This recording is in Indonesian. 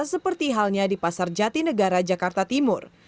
seperti halnya di pasar jati negara jakarta timur